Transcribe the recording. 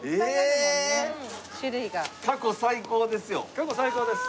過去最高です。